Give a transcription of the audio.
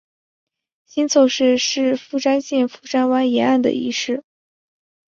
新凑市是富山县富山湾沿岸的一市。